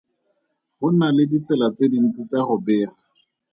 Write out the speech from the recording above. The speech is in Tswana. Go na le ditsela tse dintsi tsa go bega.